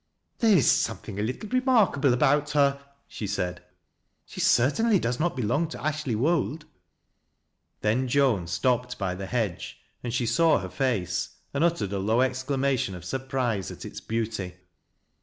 " There is something a little remarkable about her," she said. " She certainly does not belong to Ashley Wold." Then Joan stopped by the hedge and she saw her face and uttered a low exclamation of surprise at ite beauty.